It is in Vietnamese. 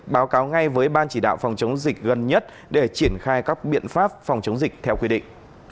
báo cáo ngay với ban chỉ đạo phòng chống dịch gần nhất để triển khai các biện pháp phòng chống dịch theo quy định